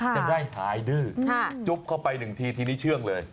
จะได้หายดื้อจุ๊บเข้าไปหนึ่งทีทีนี้เชื่องเลย